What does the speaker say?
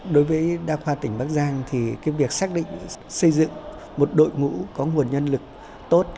đối với đa khoa tỉnh bắc giang thì cái việc xác định xây dựng một đội ngũ có nguồn nhân lực tốt